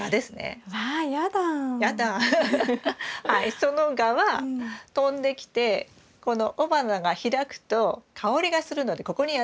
そのガは飛んできてこの雄花が開くと香りがするのでここにやって来ます。